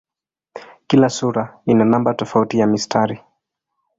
Kila sura ina namba tofauti ya mistari.